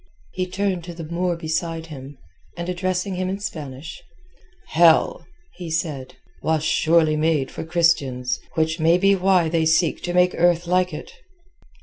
He turned to the Moor beside him, and addressing him in Spanish— "Hell," he said, "was surely made for Christians, which may be why they seek to make earth like it."